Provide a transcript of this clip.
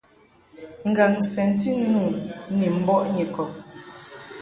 Ngaŋ sɛnti nu ni mbɔʼ Nyikɔb.